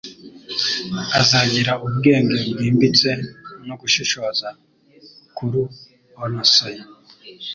Azagira ubwenge bwimbitse no gushishoza kuruonosoye.